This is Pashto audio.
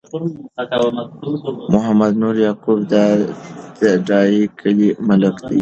محمد نور یعقوبی د ډایی کلی ملک دی